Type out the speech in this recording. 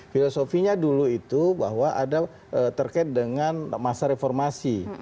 filosofinya dulu itu bahwa ada terkait dengan masa reformasi